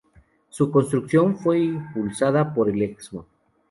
Su construcción fue impulsada por el Excmo.